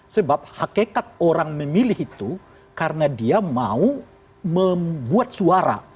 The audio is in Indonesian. sebab hakikat orang memilih itu karena dia mau membuat suara